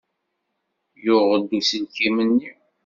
Yuɣ-d uselkim-nni.